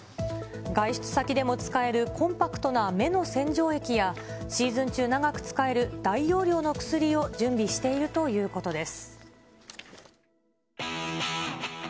外出先でも使えるコンパクトな目の洗浄液や、シーズン中長く使える大容量の薬を準備しているということです。